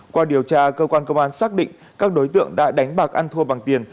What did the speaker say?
qua điều tra cơ quan công an xác định các đối tượng đã đánh bạc ăn thua bằng tiền